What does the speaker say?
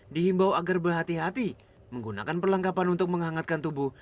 dihimbau agar berhati hati menggunakan perlengkapan untuk menghangatkan tubuh